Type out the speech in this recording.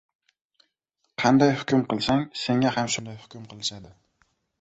• Qanday hukm qilsang senga ham shunday hukm qilishadi.